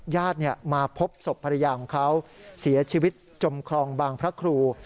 ญาติมาพบศพภรรยาของเขาเสียชีวิตจมคลองบางพระครู